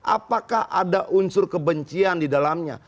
apakah ada unsur kebencian di dalamnya